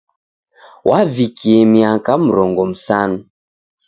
Wavikie miaka mrongo msanu.